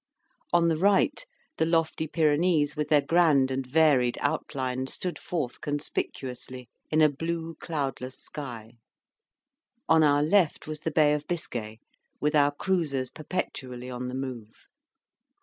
On the right, the lofty Pyrenees, with their grand and varied outline, stood forth conspicuously in a blue, cloudless sky; on our left was the Bay of Biscay, with our cruisers perpetually on the move.